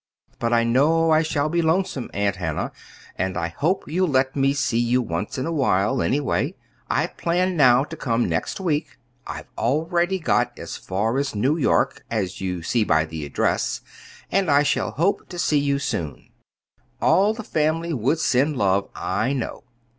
"But I know I shall be lonesome, Aunt Hannah, and I hope you'll let me see you once in a while, anyway. I plan now to come next week I've already got as far as New York, as you see by the address and I shall hope to see you soon. "All the family would send love, I know.